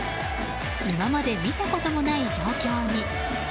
今まで見たこともない状況に。